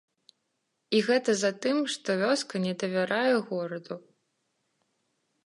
І гэта затым, што вёска не давярае гораду.